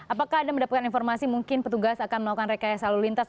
apakah ada mendapatkan informasi mungkin petugas akan melakukan rekaya selalu lintas